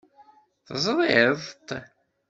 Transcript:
Teẓṛiḍ-t?